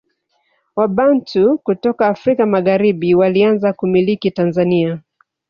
Wabantu kutoka Afrika Magharibi walianza kumiliki Tanzania